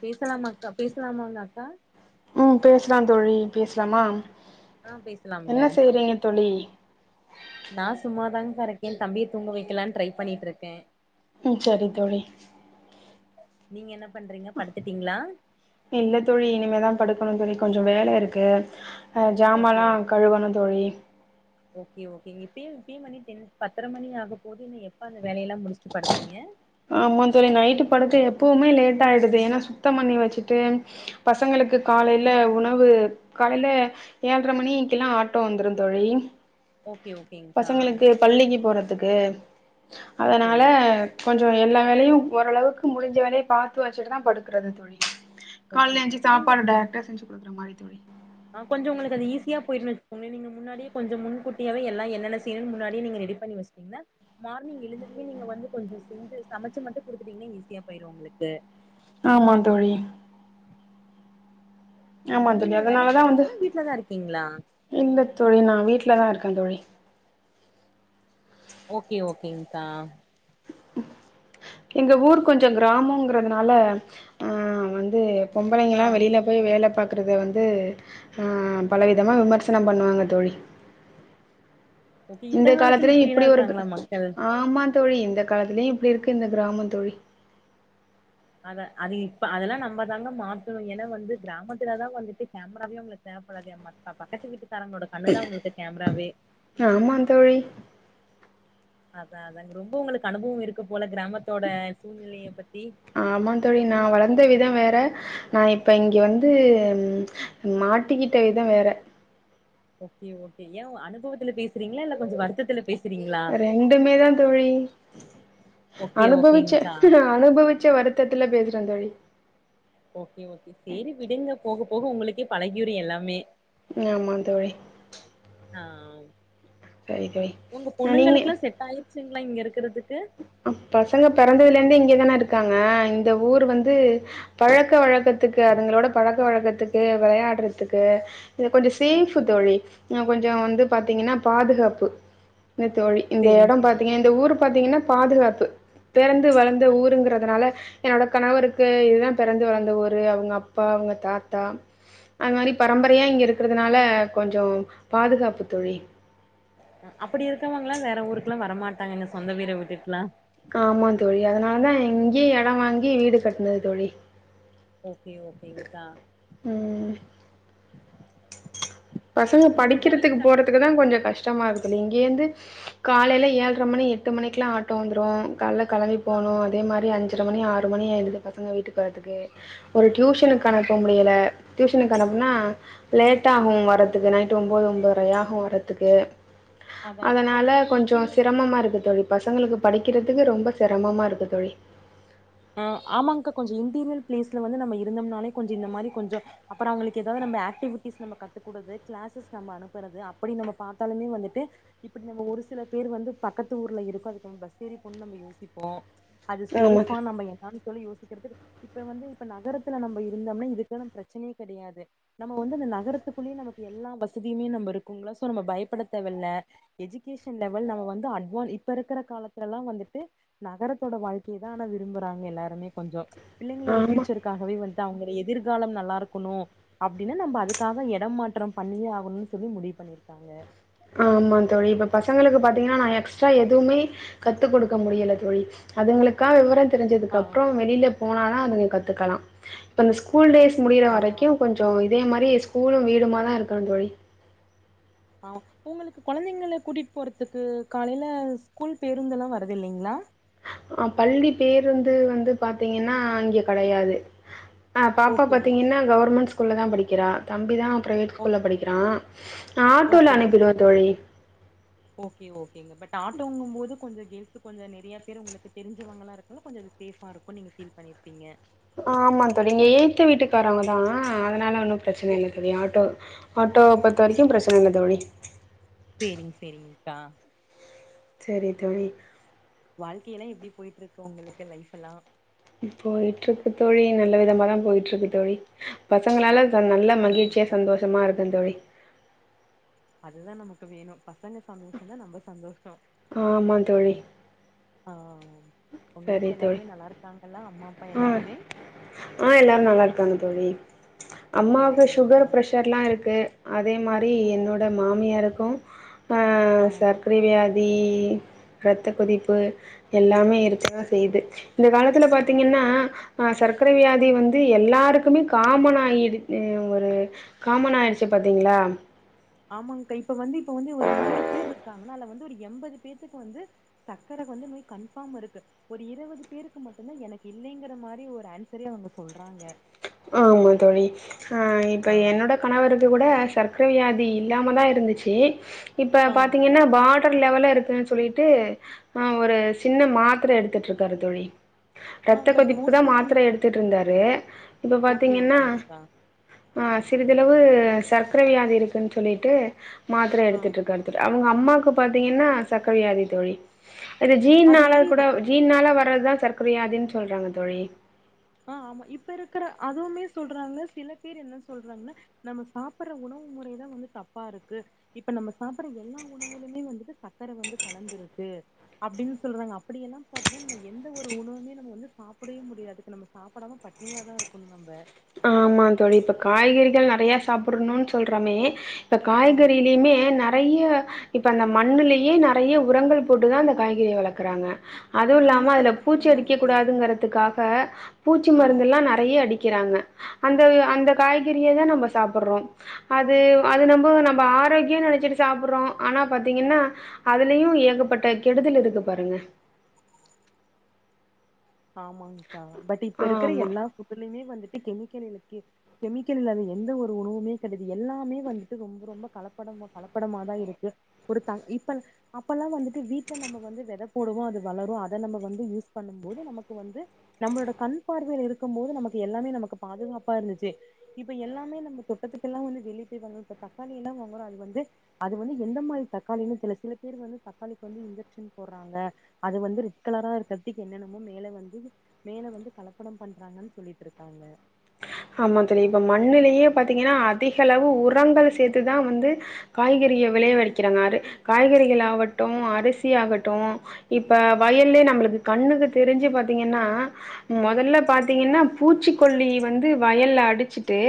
பேசலாமா அக்கா பேசலாமாங்க அக்கா ம் பேசலா தோழி பேசலாமா ஆ பேசலாம்ங்க என்ன செய்றீங்க தோழி நா சும்மாதாங்க்கா இருக்கே தம்பிய தூங்க வக்கலான் ட்ரை பண்ணிட்ருக்கே ம் சரி தோழி நீங்க என்ன பண்றீங்க படுத்துட்டீங்ளா இல்ல தோழி இனிமேதா படுக்கணு தோழி கொஞ்சோ வேல இருக்கு ஆ ஓகே ஜாமலா ஓ கழுவனு தோழி ஓகே ஓகேங்க இப்ப இப்பயே மணி டென் பத்திர மணி ஆக போகுது இனி எப்ப அந்த வேலயெல்லா முடிச்சிட்டு படுப்பீங்க ஆமா தோழி நைட்டு படுக்க எப்பவுமே லேட் ஆயிடுது ஏன்னா சுத்த பண்ணி வச்சிட்டு பசங்களுக்கு காலைல உணவு காலைல ஏழரை மணிக்கெல்லா ஆட்டோ வந்துரு தோழி ஓகே ஓகே பசங்களுக்கு பள்ளிக்கு போறதுக்கு ஓகே அதனால கொஞ்சோ எல்லா வேலயு ஓரளவுக்கு முடிஞ்ச வரையு பாத்து வச்சிட்டு தா படுக்குறது தோழி ஓகே கால்ல எந்திச்சி நீங்க சாப்பாடு டைரக்டா செஞ்சு குடுக்குற மாரி தோழி ஆ கொஞ்சோ உங்களுக்கு அது ஈஸியா போயிரு வச்சுக்கோங்கலே நீங்க முன்னாடியே கொஞ்சோ முன்கூட்டியாவே எல்லா என்னன்ன செய்யணு முன்னாடியே நீங்க ரெடி பண்ணி வச் பின்ன மார்னிங் எழுந்ததுமே நீங்க வந்து கொஞ்சோ செஞ்சு சமைச்சு மட்டு குடுத்துட்டீங்கனா ஈஸியா போயிரு உங்களுக்கு ஆமா தோழி ஆமா தோழி நீங்க வேலைக்கு அதனாலதா வந்து போறீங்ளா வீட்லதா இருக்கீங்ளா இல்ல தோழி நா வீட்லதா இருக்க தோழி ஓகே ஓகேங்க்கா எங்க ஊர் கொஞ்சோ கிராமங்கிறதுனால ஆ வந்து ஆ பொம்பளைங்களா வெளில போய் வேல பாக்குறது வந்து ஆ பலவிதமாக விமர்சன பண்ணுவாங்க தோழி ஓகே இந்த காலத்துல காலத்திலயு இப்டியெல்லா இப்டி ஒரு இருக்காங்களா மக்கள் ஆமா தோழி இந்த காலத்திலயு இப்டி இருக்கு இந்த கிராம தோழி அத அது இப்ப அதெல்லா நம்ம தாங்க மாத்தணு ஏன்னா வந்து கிராமத்துலதா வந்துட்டு கேமராவே உங்களுக்கு தேவைப்படாதே ஆமா பக்கத்து வீட்டுக்காரங்களோட கண்ணு தா உங்களுக்கு கேமராவே ஆமா தோழி அதா அதாங்க ரொம்ப உங்களுக்கு அனுபவ இருக்கு போல கிராமத்தோட சூழ்நிலைய பத்தி ஆமா தோழி நா வளர்ந்த வித வேற நா இப்ப இங்க வந்து மாட்டிக்கிட்ட வித வேற ஓகே ஓகே ஏ அனுபவத்துல பேசுறீங்களா இல்ல கொஞ்சோ வருத்தத்துல பேசுறீ ரெண்டுமே தா தோழி ஓகே அனுபவிச்ச ஓகேங்க்கா அனுபவிச்ச வருத்தத்துல பேசுற தோழி ஓகே ஓகே சேரி விடுங்க போக போக உங்களுக்கே பழகியிரு எல்லாமே ஆமா தோழி ஆ சரி தோழி. உங்க அஹ் நீங்க பொண்ணுங்களுக்லா செட் ஆயிர்ச்சிங்களா இங்க இருக்குறதுக்கு அ பசங்க பெறந்ததுல இருந்தே இங்கதான இருக்காங்க இந்த ஊர் வந்து பழக்க வழக்கத்துக்கு அதுங்களோட பழக்க வழக்கத்துக்கு விளையாடுறதுக்கு இது கொஞ்சோ சேஃப் ஓகே ஓகே தோழி கொஞ்சோ வந்து பாத்தீங்கனா பாதுகாப்பு இந்த தோழி இந்த சேரிங் இடம் சேரிங் பாத்தீங்க இந்த ஊரு பாத்தீங்கனா பாதுகாப்பு பெறந்து வளர்ந்த ஊருங்கிறதுனால என்னோட கணவருக்கு இதுதா பெறந்து வளர்ந்த ஊரு அவுங்க அப்பா அவுங்க தாத்தா அந்த மாரி பரம்பரையா இங்க இருக்கறதுனால கொஞ்சோ பாதுகாப்பு தோழி அ அப்படி இருக்கவங்களா வேற ஊருக்குலா வர மாட்டாங்க இந்த சொந்த வீட விட்டுட்டுலா ஆமா தோழி அதனாலதா இங்கயே எடோ வாங்கி வீடு கட்னது தோழி ஓகே ஓகேங்க்கா ம். பசங்க நீங்க ஜாயின் படிக்கிறதுக்கு ஃபேமிலி போறதுக்கு அதுதா கொஞ்சோ கஷ்டமா இருக்கு இங்கேருந்து காலையில ஏழ்ர மணி எட்டு மணிக்குலா ஆட்டோ வந்துரு கால்ல கெளம்பி ஆ போணு அதே மாறி அஞ்சர மணி ஆறு மணி ஆயிடுது பசங்க வீட்டுக்கு வரத்துக்கு ஒரு ஆ டியூஷனுக்கு அனுப்ப முடியல டியூசனுக்கு அனுப்புனா லேட் ஆகு உங்க பத்துக்கு நைட்டு ஒம்போது ஒம்பதரை ஆகு வரதுக்கு அதா அதா அதனால வந்து கொஞ்சோ இன்டீரியர் சிரமமா இருக்கு தோழி பசங்களுக்கு படிக்கிறதுக்கு ரொம்ப செரமமா இருக்கு தோழி அ ஆமாங்கா கொஞ்சோ இன்டீரியர் பிளேஸ்ல வந்து நம்ம இருந்தம்னாலே கொஞ்சோ இந்த மாறி கொஞ்சோ அப்பறோ அவங்களுக்கு எதாவது நம்ப ஆக்டிவிட்டிஸ் நம்ப கத்துக்கூடுது கிளாஸஸ் நம்ப அனுப்புறது அப்படி நம்ப பாத்தாலுமே வந்துட்டு இப்படி நம்ம ஒரு சில பேர் வந்து பக்கத்து ஊர்ல இருக்கோ அதுக்கு நம்ம பஸ் ஏறி போணும்னு நம்ப யோசிப்போ அது ஆமா. சேஃப் தோழி. நம்ப என்னனானு சொல்லி யோசிக்கறதுக்கு இப்ப வந்து இப்ப நகரத்துல நம்ப இருந்தம்னா இதுக்கான பிரச்சனையே கிடையாது நம்ம வந்து அந்த நகரத்துக்குள்ளயே நமக்கு எல்லா வசதியுமே நம்ப இருக்குங்களா சோ நம்ம பயப்படத் தேவல்ல எஜுகேஷன் லெவல் நம்ம வந்து அட்வான் இப்ப இருக்கற காலத்துலலா வந்துட்டு நகரத்தோட வாழ்க்கைய தா அனா விரும்பறாங்க எல்லாருமே கொஞ்சோ பிள்ளைங்களோட ஆமா. பியூச்சரு க்காகவே வந்து அவங்களோட எதிர்காலம் நல்லா இருக்கணு அப்டின்னா நம்ம அதுக்காக எடம்மாற்றம் பண்ணியே ஆகணும்னு சொல்லி முடிவு பண்ணியிருக்காங்க ஆமா தோழி இப்ப பசங்களுக்கு பாத்திங்கன்னா நா எக்ஸ்ட்ரா எதுவுமே கத்து குடுக்க முடியல தோழி அதுங்களுக்கா விவரோ ஆ தெரிஞ்சதுக்கு அப்பறோ வெளில போனாதா அதுங்க கத்துக்கலா இப்ப அந்த ஸ்கூல் டேஸ் முடியற அதா வரைக்கு கொஞ்சோ இதே மாறியே ஸ்கூலு வீடுமாதா இருக்கணு தோழி அ உங்களுக்கு குழந்தைங்கள கூட்டிட்டு போறதுக்கு காலைல ஸ்கூல் பேருந்துலா வர்ரது இல்லிங்களா அ பள்ளி பேருந்து வந்து பாத்தீங்கன்னா இங்க கெடையாது அ பாப்பா ஓகே ஓகேங்க பாத்திங்கன்னா கவர்மெண்ட் ஸ்கூல்ல தா படிக்கிறா தம்பி தா பிரைவேட் ஓ ஸ்கூல்ல படிக்கறா ஓகே ஓகேங்க ஓகே ஓகேங்க பட் ஆட்டோங்கும் போது கொஞ்சோ கேள்ஸ் கொஞ்சோ நெறையா பேரு உங்களுக்கு தெரிஞ்சவங்களா இருக்குல்ல கொஞ்சோ சேஃபா இருக்கு நீங்க ஃபீல் பண்ணிருப்பீங்க ஆமா தோழி இங்க எதுத்த வீட்டுக்காரவங்க தா அதனால ஒன்னு பிரச்சன இல்ல ஓகே தோழி ஆட்டோ ஆட்டோவ பொறுத்த வரைக்கு பிரச்சன இல்ல தோழி சேரிங் சேரிங்கக்கா சேரி தோழி வாழ்க்கைலா எப்டி போயிட்ருக்கு உங்களுக்கு லைஃப் எல்லா போயிட்ருக்கு தோழி நல்ல விதமாதா போயிட்ருக்கு தோழி ஓ பசங்களால நல்ல மகிழ்ச்சியா சேரிங்க்கா சந்தோஷமா இருக்க தோழி அதுதா நமக்கு வேணு பசங்க சந்தோஷோ தா நம்ப சந்தோஷோ ஆமா தோழி அ உங்க சரி வீட்ல தோழி எல்லாருமே நல்லா இருக்காங்களா அம்மா அப்பா எல்லாருமே அ எல்லாரு நல்லா இருக்காங்க தோழி ஓகே அம்மாவுக்கு ஓகேங்க்கா சுகர் பிரஷ் ஷர்லா இருக்கு அதே மாரி என்னோட மாமியாருக்கு அ ஆ சர்க் கர வியாதி இரத்த கொதிப்பு எல்லாமே இருக்கதா செய்து இந்த காலத்துல ஆ பாத்திங்கன்னா அ சர்க்கரை வியாதி வந்து எல்லாருக்குமே காமனாயிடுது ஒரு காமனாயிடுச்சு பாத்தீங்களா ஆமாங்கா இப்ப வந்து இப்ப வந்து ஒரு நூறு பேர் இருக்காங்கன்னா அதுல வந்து ஒரு எம்பது பேத்துக்கு வந்து சக்கரைக்கு வந்து நோய் கன்ஃபார்ம் இருக்கு ஒரு இரவது பேருக்கு மட்டு்ம்தா எனக்கு இல்லைங்கிற மாறி ஒரு ஆன்சரே அவுங்க சொல்றாங்க ஆமா தோழி அ இப்ப ஆ என்னோட கணவருக்கு கூட சர்க்கரைவியாதி இல்லாம தா இருந்துச்சு இப்ப ஆ பாத்தீங்கன்னா பார் டர் லெவல்ல இருக்குன்னு சொல்லிட்டு அ ஒரு சின்ன மாத்ரை எடுத்துட்டுருக்காரு தோழி ஆ ரத்த பட் கொதிப்புக்குதா மோஸ்ட்லி மாத்ரை வந்து எடுத்துட்டருந்தாரு இப்ப ஓகே பாத்தீங்கன்னா ஓகேங்க்கா அ சிறிதளவு சர்க்கரை வியாதி இருக்குன்னு சொல்லிட்டு மாத்ர ஆ எடுத்துட்டுருக்காரு துட்டு அவங்க அம்மாக்கு பாத்தீங்கன்னா சக்கர வியாதி தோழி அது ஜீன்னால கூட ஜீன்னால வர்றதுதா சர்க்கரை வியாதுன் சொல்றாங்க தோழி ஆ ஆமா இப்பருக்கற அதுவுமே சொல்றாங்க சில பேர் என்ன சொல்றாங்கன்னா நம்ம சாப்புட்ற உணவு முறைதா வந்து தப்பாருக்கு இப்ப நம்ம சாப்பட்ற எல்லா உணவுகளுமே வந்துட்டு சக்கர வந்து கலந்துருக்கு அப்படின்னு சொல்றாங்க அப்படியெல்லா பாத்தா நம்ம எந்த ஒரு உணவுமே நம்ம வந்து சாப்புடவே முடியாது நம்ம சாப்டாம பட்டனியாதா இருக்கணு நம்ப ஆமா தோழி இப்ப காய்கறிகள் நறைய சாப்புடணுன்னு சொல்றாமே இப்ப ஆ காய்கறிலியுமே நறைய இப்ப அந்த மண்ணுலேயே நறைய உரங்கள் போட்டுதா அந்த காய்கறியை வளக்குறாங்க அதுவுயில்லாம அதல கெமிக்கல்ஸ் பூச்சி அதிகமா அடிக்க இருக்கு கூடாதுங்கறதுக்காக பூச்சி ஆ மருந்தெல்லா நறைய அடிக்கிறாங்க அந்த அந்த காய்கறியேதா நம்ப சாப்புட்றோ அது அது நம்ப நம்ம ஆரோக்கியோ நெனைச்சிட்டு சாப்புட்றோ ஆனா பாத்தீங்கன்னா அதுலயு ஏகப்பட்ட கெடுதல் இருக்கு பாருங்க ஆமாங்கா பட் இப்ப இருக்குற ஆமா எல்லா புட்டுலயுமே வந்துட்டு கெமிக்கல் இருக்கே கெமிக்கல் இல்லது எந்த ஒரு உணவுமே கெடையாது எல்லாமே வந்துட்டு ரொம்ப ரொம்ப கலப்பட கலப்படமாதா இருக்கு [unintelligible] அப்பெல்லா வந்துட்டு வீட்ல நம்ம வந்து வெத போடுவோ அது வளரு அத நம்ம வந்து யூஸ் பண்ணும் போது நமக் கு வந்து நம்பளோட கண் பார்வையில இருக்கும் போது நமக்கு எல்லாமே நமக்கு பாதுகாப்பா இருந்துச்சு இப்ப எல்லாமே நம்ம தொட்டத்துக்கெல்லா வந்து வெளிய போய் வாங்றோ இப்ப தக்காளியெல்லா வாங்குறோ அது வந்து அது வந்து எந்த மாரி தக்காளின்னு சில சில பேர் வந்து தக்காளிக்கு வந்து இன்ஜெக்சன் போடுறாங்க அது வந்து ரெட்கலரா இருக்கறதுக்கு என்னென்னமோ மேல வந்து [unintelligible] மேல வந்து கலப்படம் பண்றாங்கன்னு சொல்லிட்டுருக்காங்க ஆமா தோழி இப்போ மண்ணுலேமே பாத்தீங்கன்னா அதிகளவு உரங்கள் சேத்துதா வந்து காய்கறியை விளைய வைக்கிறாங்காரு காய்கறிகலாட்டு அரிசி ஆகட்டு இப்ப வயல்லயே நம்மளுக்கு கண்ணுக்கு தெரிஞ்சு பாத்தீங்கன்னா மொதல்ல பாத்தீங்கன்னா பூச்சிக்கொல்லி வந்து வயல்ல அடிச்சுட்டு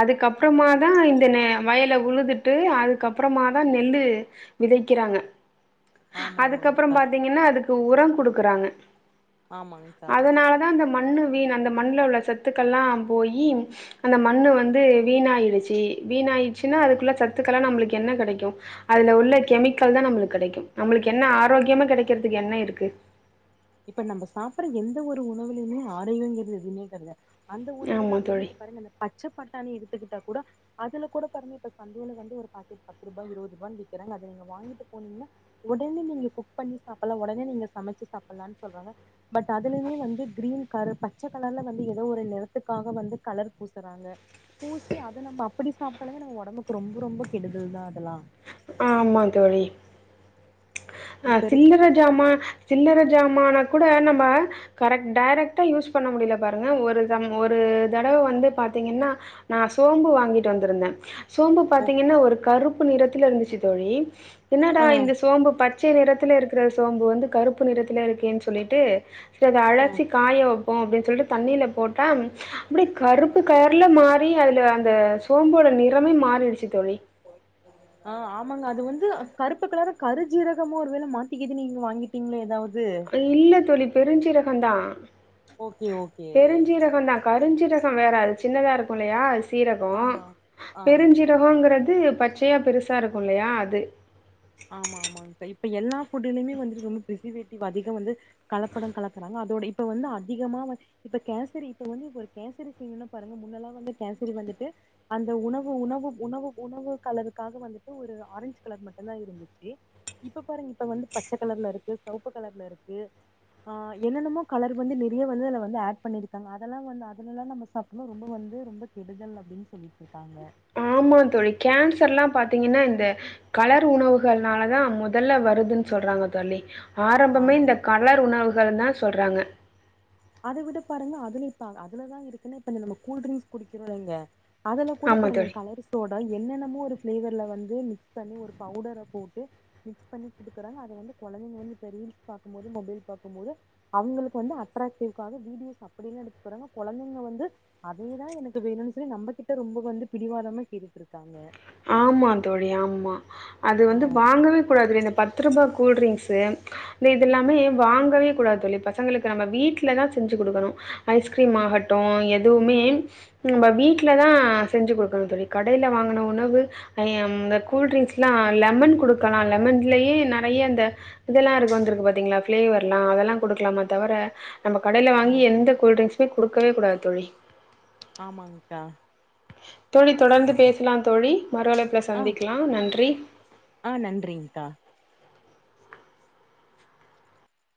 அதுக்கப்பறமா தா இந்தன வயல உழுதுட்டு அதுக்கப்பறமா தா நெல்லு விதைக்கிறாங்க ஆமா அதுக்கப்புறோ ஆமாங்க்கா பாத்தீங்கன்னா அதுக் கு உரம் குடுக்குறாங்க ஆமாங்க்கா அதனால தா அந்த மண்ணு வீண் அந்த மண்ணுல உள்ள சத்துக்கள்லா போயி அந்த மண்ணு வந்து வீணாயிடுச்சு வீணாயிடுச்சின்னா அதுக்குள்ள சத்துக்கலா நம்மளுக்கு என்ன கடைக்கு அதுல உள்ள கெமிக்கல் தா நம்மளுக்கு கடைக்கு நம்மளுக்கு என்ன ஆரோக்கியமா கெடைக்கிறதுக்கு என்ன இருக்கு இப்ப நம்ம சாப்பட்ற எந்த ஒரு உணவுலியுமே ஆரோக்கியங்கறது எதுவுமே கடையாத் அந்த உணவு தா ஆமா அப்டின்னு தோழி இப்ப பாருங்க அந்த பச்ச பட்டாணி எடுத்துக்கிட்டா கூட அதுல கூட பாருங்க இப்ப சந்தையில வந்து ஒரு பாக்கெட் பத்து ரூபாய் இருபது ரூபாயனு விறக்கிறாங்க அதை நீங்க வாங்கிட்டு போனீங்கின்னா உடனே நீங்க குக் பண்ணி சாப்பிடலாம் உடனே நீங்க சமைச்சு சாப்பிடலாம்னு சொல்றாங்க பட் அதுலயுமே வந்து கிரீன் கர் பச்சை கலர்ல வந்து ஏதோ ஒரு நிறத்துக்காக வந்து கலர் பூசுறாங்க பூசி அதை நம்ம அப்டி சாப்பிட்டாலமே நம்ம உடம்புக்கு ரொம்ப ரொம்ப கெடுதல் தான் அதெல்லாம் ஆ ஆமா தோழி அ இப்ப இருக்கு திங்கிறது ந்தோமா சில்லற ஜாமான கூட நம்ம கரெக்ட் டைரக்ட்டா யூஸ் பண்ண முடியல பாருங்க ஒரு ஒரு தடவை வந்து பாத்தீங்கன்னா நான் சோம்பு வாங்கிட்டு வந்திருந்தே சோம்பு ஓ பாார்த்தீங்கன்னா ஒரு கருப்பு நிறத்துல இருந்துச்சு தோழி என்னடா ஆ இந்த சோம்பு பச் பச்சை நிறத்துல இருக்கிற சோம்பு வந்து கருப்பு நிறத்துல இருக்கேன்னு சொல்லிட்டு சேரி ஆ அதையாச்சி காய ப்போம் அப்டின்னு சொல்ட்டு தண்ணியில் போட்டா அப்டியே கருப்பு கலர்ல மாறி அதுல அந்த சோம்போட நிறமே மாறிடுச்சு தோழி போய்ட்டான் ஆ ஆமாங்க அது வந்து கருப்பு கலர் கருஜீரகமா ஒரு வேளை மாத்திக்கிட்டு நீங்க வாங்கிட்டீங்களோ ஏதாவது இல்ல தோழி பெருஞ்சீரகம் தான் ஓகே ஓகே பெருஞ்சீரகம் தான் கருஞ்சீரகம் வேற அது சின்னதா இருக்கும் இல்லையா அது சீரகம் ஆமா ஆ பெருஞ்சீ ரகங்கிறது பச்சையா பெருசா இருக்கும் இல்லையா அது ஆமா ஆமாங்க தோழி இப்ப எல்லா ஃபுட்லயுமே வந்து ரொம்ப பிரிசர்வேட்டிவ் அதிகம் வந்து கலப்படம் கலக்குறாங்க அதோட இப்ப வந்து அதிகமா வ இப்ப கேசரி இப்ப வந்து ஒரு கேசரி செய்யணும்னா பாருங்க முன்னெல்லாம் வந்து கேசரி வந்துட்டு அந்த உணவு உணவு உணவு உணவு கலருக்காக வந்துட்டு ஒரு ஆரஞ்ச் கலர் மட் டும் தான் இருந்துச்சு இப்ப பாருங்க இப்ப வந்து பச்ச கலர்ல இருக்கு செவப்பு கலர்ல இருக்கு ஆ என்னென்னமோ கலர் வந்து நிறைய வந்து அதல வந்து ஆட் பண்ணிருக்காங்க அதெல்லாம் வந்து அதலல்லாம் நம்ம சா ஆனா ரொம்ப வந்து ரொம்ப கெடுதல் அப்டின்னு சொல்லிட்டு இருக்காங்க ஆமா தோழி கேன்சர்ல்லாம் பாத்தீங்கன்னா இந்த கலர் உணவுகள்னாலதான் முதல்ல வருதுன்னு சொல்றாங்க தோழி ஆரம்பமே ஆமாங் இந்த கலர் உணவுகள் தான் சொல்றாங்க அத விட பாருங்க அதுலே இப்பா அதுலதான் இருக்குன்னு இப்ப நம்ம கூல் ட்ரிங்க்ஸ் குடிக்கிறோலிங்க அதுல கூட ஆமா பாருங்க தோழி. கலர்ஸ் சோடா என்னென்னமோ ஒரு ஃப்ளேவர்ல வந்து மிக்ஸ் பண்ணி ஒரு பவுடர போட்டு மிக்ஸ் பண்ணி குடுக்குறங்க அதவந்து குழந்தைங்க வந்து இப்ப ரீல்ஸ் பாக்கும் போது மொபைல் பாக்கும் போது அவங்களுக்கு வந்து அட்ராக்டிவ்காக வீடியோஸ் அப்டின்னு எடுத்து போறாங்க கொழந்தைங்க வந்து அதேதான் எனக்கு வேணும்னு சொல்லி நம்மகிட்ட ரொம்ப வந்து பிடிவாதமா கேட்டுட்டு இருக்காங்க ஆமா தோழி ஆமா அது ஆ வந்து வாங்கவே கூடாது இந்த பத்து ரூபா கூல்ட்ரிங்க்ஸ்சு இந்த இதல்லாமே வாங்கவே கூடாது தோழி பசங்களுக்கு நம்ம வீட்ல தான் செஞ்சு குடுக்கணும் ஐஸ்கிரீம் ஆகட்டும் எதுவுமே நம்ம வீட்ல தான் செஞ்சு குடுக்கணும் தோழி கடைல வாங்கணும் உணவு ஆ ம் இந்த கூல்ட்ரிங்க்ஸ் எல்லாம் லெமன் குடுக்கலாம் லெமன்லயே நிறைய அந்த இதெல்லாம் இருக்கு வந்திருக்கு பாத்தீங்களா பிளேவர்ல்லாம் அதெல்லாம் குடுக்கலாமா தவிர நம்ம கடைல ஆ வாங்கி எந்த கூல்ட்ரிங்க்ஸுமே குடுக்கவே கூடாது தோழி ஆமாங்க்கா தோழி தொடர்ந்து பேசலாம் தோழி மறு அழைப்புல ஆ சந்திக்கலாம் நன்றி. ஆ நன்றி்ங்க்கா.